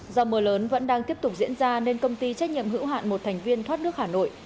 do mưa lớn vẫn đang tiếp tục diễn ra nên công ty trách nhiệm hữu hạn một thành viên thoát nước hà nội